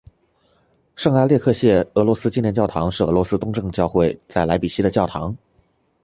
圣阿列克谢俄罗斯纪念教堂是俄罗斯东正教会在莱比锡的教堂。